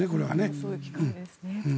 そういう機会ですね。